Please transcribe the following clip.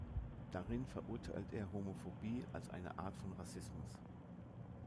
Darin verurteilt er Homophobie als eine Art von Rassismus.